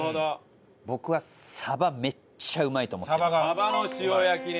僕はさばめっちゃうまいと思っています。